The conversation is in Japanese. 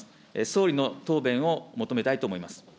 総理の答弁を求めたいと思います。